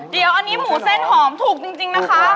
เดี๋ยวอันนี้หมูเส้นหอมถูกจริงนะคะ